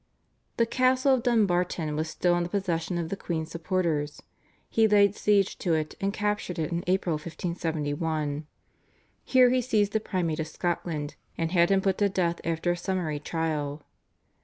The castle of Dunbarton was still in the possession of the queen's supporters. He laid siege to it, and captured it in April 1571. Here he seized the Primate of Scotland, and had him put to death after a summary trial.